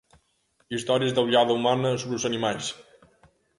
Historias da ollada humana sobre os animais.